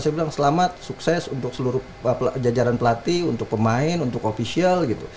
saya bilang selamat sukses untuk seluruh jajaran pelatih untuk pemain untuk ofisial gitu